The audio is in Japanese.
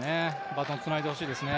バトンつないでほしいですね。